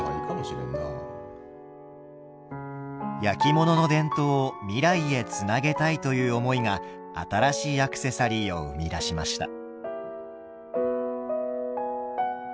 焼き物の伝統を未来へつなげたいという思いが新しいアクセサリーを生み出しました。